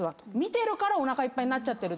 見てるからおなかいっぱいに。